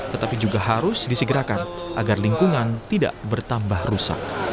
tetapi juga harus disegerakan agar lingkungan tidak bertambah rusak